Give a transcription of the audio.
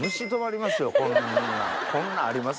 こんなんあります？